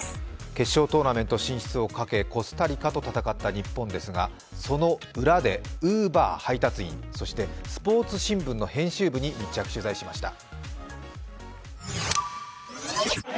決勝トーナメント進出をかけ、コスタリカと戦った日本ですがその裏でＵｂｅｒ配達員、そしてスポーツ新聞の編集部に密着取材しました。